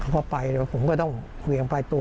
พอไปเนลงลงผมก็ต้องเควียงพลายตัว